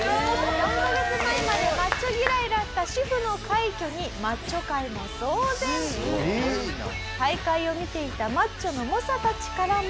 「４カ月前までマッチョ嫌いだった主婦の快挙にマッチョ界も騒然」「大会を見ていたマッチョの猛者たちからも」